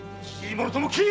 もろとも斬れ！